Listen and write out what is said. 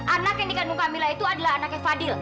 anak yang dikandung camilla itu adalah anaknya fadil